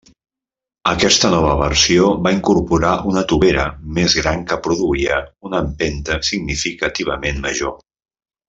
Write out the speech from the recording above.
Aquesta nova versió va incorporar una tovera més gran que produïa una empenta significativament major.